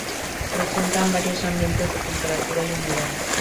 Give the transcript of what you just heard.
Presentan varios ambientes de temperatura y humedad.